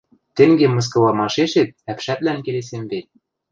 Тенге мыскылымашешет ӓпшӓтлӓн келесем вет...